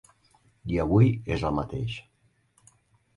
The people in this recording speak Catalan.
I avui és el mateix.